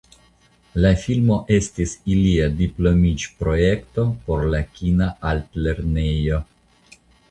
La filmo estis ilia diplomiĝprojekto por la kina altlernejo.